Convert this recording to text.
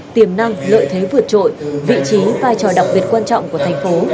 tiềm năng lợi thế vượt trội vị trí vai trò đặc biệt quan trọng của thành phố